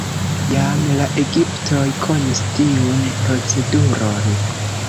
Jam la egiptoj konis tiun proceduron.